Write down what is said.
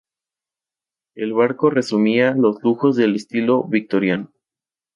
El barco resumía los lujos del estilo victoriano.